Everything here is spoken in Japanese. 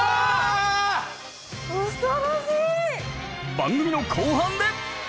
番組の後半で。